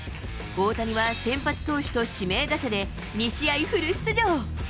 大谷は先発投手と指名打者で、２試合フル出場。